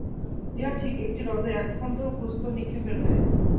ইহা ঠিক একটি হ্রদে একখণ্ড প্রস্তর-নিক্ষেপের ন্যায়।